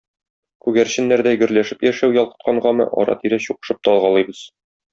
Күгәрченнәрдәй гөрләшеп яшәү ялкыткангамы ара-тирә чукышып та алгалыйбыз.